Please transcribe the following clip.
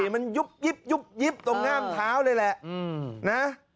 มันยุบตรงห้ามเท้าเลยแหละ